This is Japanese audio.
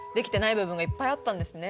部分がいっぱいあったんですね